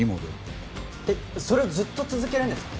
えっそれをずっと続けるんですか？